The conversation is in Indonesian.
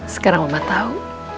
sekarang mama tahu